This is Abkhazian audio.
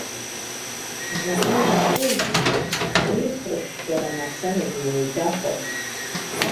Заҟа ирацәоузеи урҭ, реихыршәшәара мацарагьы уаҩ дахәарым!